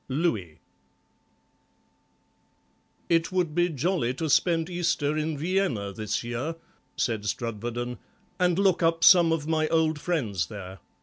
LOUIS "It would be jolly to spend Easter in Vienna this year," said Strudwarden, "and look up some of my old friends there.